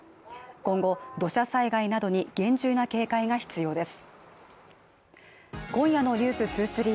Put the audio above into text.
今後土砂災害などに厳重な警戒が必要です